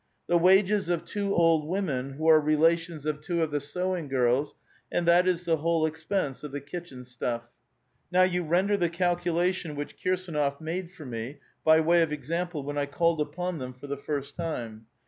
The wages of two old women, who are relations of two of the sewing girls, and that is the whole ex[)ens3 of the kitchen stuff. Now you render the calculation which Kirs^nof made for me by way of example, when I called upon them for the first time.